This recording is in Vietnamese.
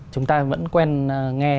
chúng ta vẫn quen nghe